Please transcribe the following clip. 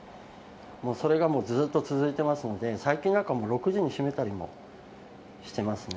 それがもうずっと続いていますので、最近なんかもう６時に閉めたりもしてますね。